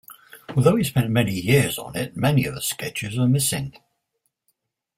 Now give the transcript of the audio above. Although he spent many years on it, many of the sketches are missing.